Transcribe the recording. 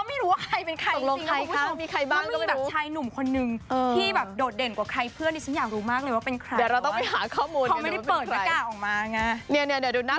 เพราะว่าไม่รู้ว่าใครเป็นใคร